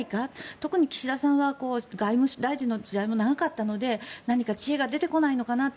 特に岸田さんは外務大臣の時代も長かったので何か知恵が出てこないのかなって